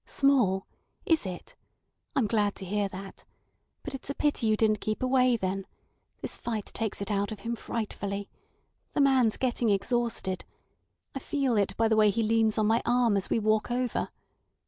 "Small! Is it? I'm glad to hear that. But it's a pity you didn't keep away, then. This fight takes it out of him frightfully. The man's getting exhausted. I feel it by the way he leans on my arm as we walk over.